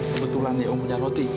kebetulan nih om punya roti